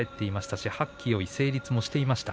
きよい成立もしていました。